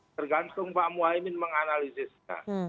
tergantung pak mohaimin menganalisisnya